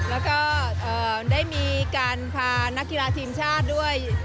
แล้วก็ได้มีการพานักกีฬาทีมชาติด้วย